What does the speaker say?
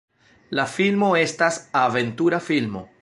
La filmo estas aventura filmo.